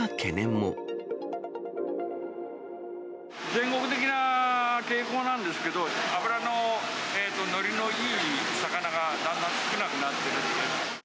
全国的な傾向なんですけど、脂の乗りのいい魚がだんだん少なくなってる。